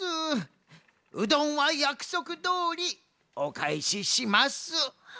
うどんはやくそくどおりおかえしします。